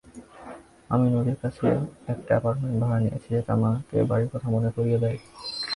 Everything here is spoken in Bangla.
আমি নদীর কাছে একটা অ্যাপার্টমেন্ট ভাড়া নিয়েছি যেটা আমাকে বাড়ির কথা মনে করিয়ে দেই।